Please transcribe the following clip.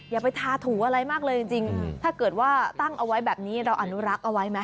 อย่าไปทาถูอะไรมากเลยจริงถ้าเกิดว่าตั้งเอาไว้แบบนี้เราอนุรักษ์เอาไว้ไหม